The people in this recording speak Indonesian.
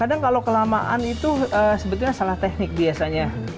kadang kalau kelamaan itu sebetulnya salah teknik biasanya